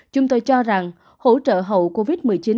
chúng tôi cho rằng hỗ trợ hậu covid một mươi chín